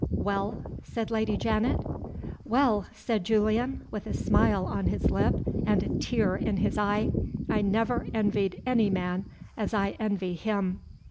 "Well?" said Lady Janet. "Well," said Julian, with a smile on his lip and a tear in his eye, "I never envied any man as I envy _him!